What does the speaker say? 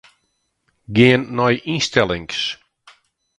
Gean nei ynstellings.